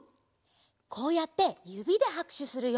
こうやってゆびではくしゅするよ。